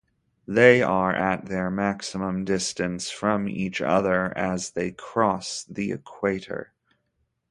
They are at their maximum distance from each other as they cross the equator.